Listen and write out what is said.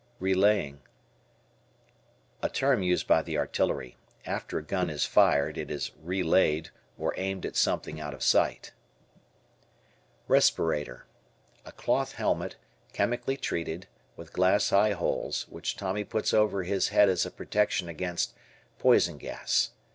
Relaying. A term used by the artillery. After a gun is fired it is "relayed" or aimed at something out of sight. Respirator. A cloth helmet, chemically treated, with glass eye holes, which Tommy puts over his head as a protection against, poison gas.